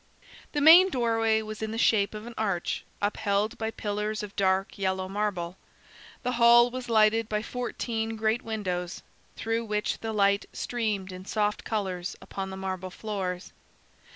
The main doorway was in the shape of an arch, upheld by pillars of dark yellow marble. The hall was lighted by fourteen great windows, through which the light streamed in soft colors upon the marble floors.